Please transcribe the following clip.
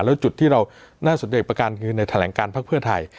แล้วจุดที่เราน่าสนใจประกันคือในแถลงการพักเพื่อไทย